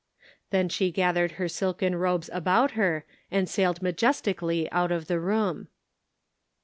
Then she gathered her silken robes about her and sailed majestically out of the room.